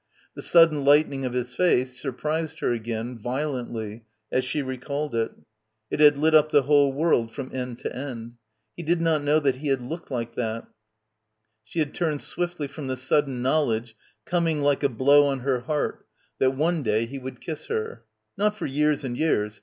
The sudden lighten ing of his face surprised her again, violently, as she recalled it. It had lit up the whole world from end to end. He did not know that he had looked — 41 — PILGRIMAGE like that. She had turned swiftly from the sud den knowledge coming like a blow on her heart, that one day he would kiss her. Not for years and years.